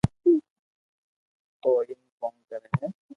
او ايم ڪون ڪري ھي